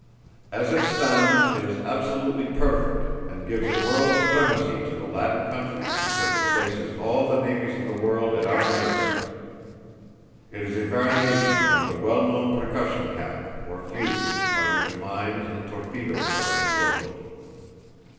"As it stands it is absolutely perfect and gives a world's supremacy to the Latin countries because it places all the navies of the world at our mercy. It is a variation of the well known percussion cap or fuse by which mines and torpedoes are exploded.